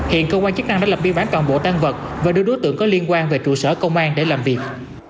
hiện cơ quan chức năng đã lập biên bản toàn bộ tan vật và đưa đối tượng có liên quan về trụ sở công an để làm việc